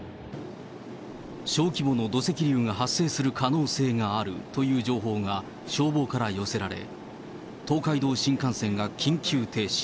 小規模の土石流が発生する可能性があるという情報が消防から寄せられ、東海道新幹線が緊急停止。